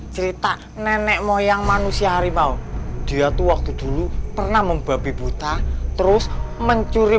cerita nenek moyang manusia harimau dia tuh waktu dulu pernah membabi buta terus mencuri